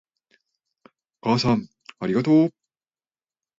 お母さんありがとう